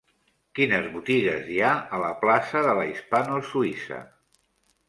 Quines botigues hi ha a la plaça de la Hispano Suïssa?